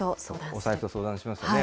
お財布と相談しますよね。